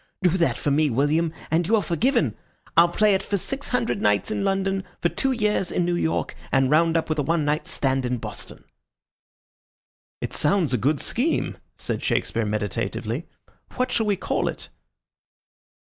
Do that for me, William, and you are forgiven. I'll play it for six hundred nights in London, for two years in New York, and round up with a one night stand in Boston." "It sounds like a good scheme," said Shakespeare, meditatively. "What shall we call it?"